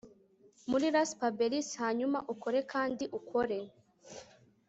Muri raspberries hanyuma ukore kandi ukore